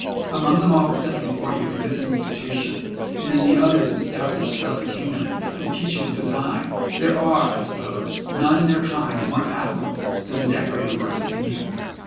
Among the models set before you in this institution, and in the others established throughout the kingdom for the teaching of design, there are, I suppose, none in their kind more admirable than the decorated works of India.